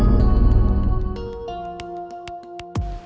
gak ada yang tau